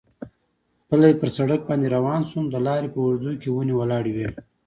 پلی پر سړک باندې روان شوم، د لارې په اوږدو کې ونې ولاړې وې.